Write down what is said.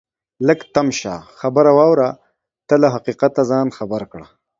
لږ تم شه خبره واوره ته له حقیقته ځان خبر کړه